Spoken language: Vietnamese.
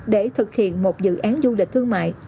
để thực hiện một dự án du lịch thương mại